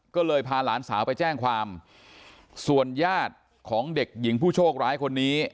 ก็เลยพาหลานสาวไปแจ้งความส่วนญาติของเด็กหญิงผู้โชคร้ายคนนี้